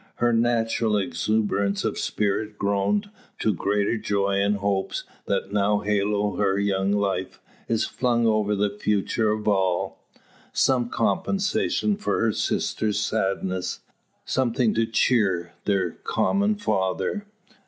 Her natural exuberance of spirits grown to greater joy from the hopes that now halo her young life, is flung over the future of all. Some compensation for her sister's sadness something to cheer their common father.